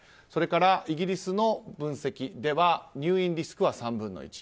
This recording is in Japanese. それから、イギリスの分析では入院リスクは３分の１。